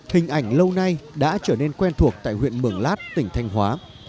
hình ảnh lâu nay đã trở nên quen thuộc tại huyện mường lát tỉnh thanh hóa